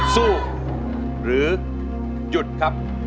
สู้หรือหยุดครับ